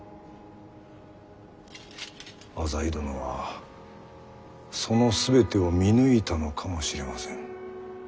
浅井殿はその全てを見抜いたのかもしれません。